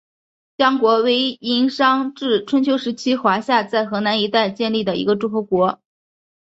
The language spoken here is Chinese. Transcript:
江国为殷商至春秋时期华夏在河南一带建立的一个诸侯国。